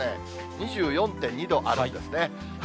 ２４．２度あるんですね。